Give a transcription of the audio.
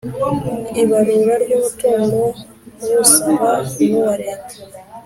ibarura ry umutungo w usaba n uwa leta